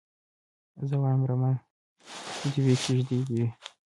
زه وايم رمه دي وي کيږدۍ دي وي